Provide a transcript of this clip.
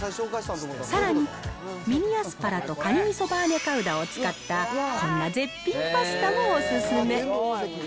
さらに、ミニアスパラとかにみそバーニャカウダを使ったこんな絶品パスタもお勧め。